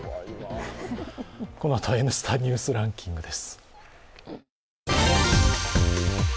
このあとは「Ｎスタ・ニュースランキング」です。